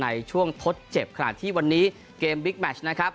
ในช่วงทดเจ็บขณะที่วันนี้เกมบิ๊กแมชนะครับ